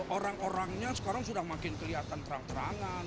orang orangnya sekarang sudah makin kelihatan terang terangan